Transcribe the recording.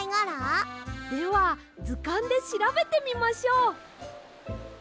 ではずかんでしらべてみましょう。